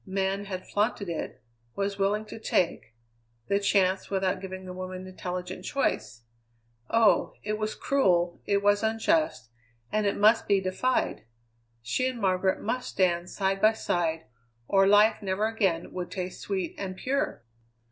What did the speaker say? Man had flaunted it, was willing to take the chance without giving the woman intelligent choice. Oh! it was cruel, it was unjust, and it must be defied. She and Margaret must stand side by side, or life never again would taste sweet and pure!